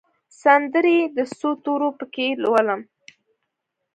سندرې د څو تورو پکښې لولم